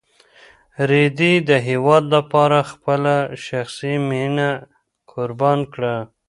رېدي د هېواد لپاره خپله شخصي مینه قربان کړه.